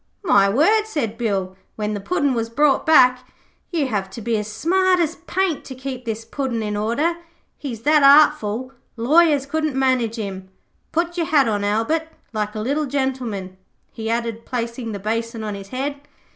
'My word,' said Bill, when the Puddin' was brought back. 'You have to be as smart as paint to keep this Puddin' in order. He's that artful, lawyers couldn't manage him. Put your hat on, Albert, like a little gentleman,' he added, placing the basin on his head.